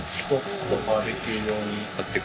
あとバーベキュー用に買っていこう。